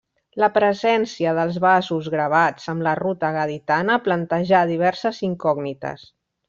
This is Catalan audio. La presència dels vasos gravats amb la ruta gaditana plantejà diverses incògnites.